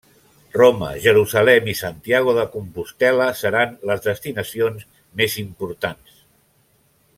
Roma, Jerusalem i Santiago de Compostel·la seran les destinacions més importants.